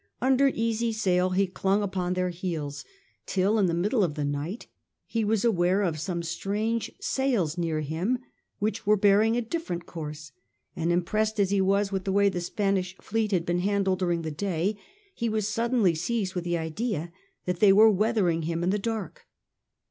Under easy sail he clung upon their heels, till in the middle of the night he was aware of some strange sails near him, which were bearing a different course, and impressed as he was with the way thc^ Spanish fleet had been handled during the day, he was suddenly seized with the idea that they were weathering him in the dark.